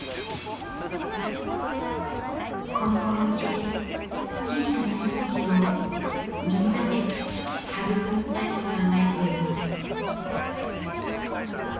このおうちで小さな命をみんなで育みたいと考えています。